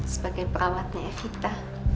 sebagai perawatnya evita